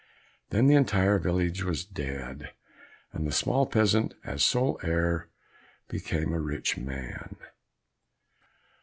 Then the entire village was dead, and the small peasant, as sole heir, became a rich man.